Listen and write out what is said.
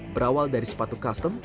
berawal dari sepatu custom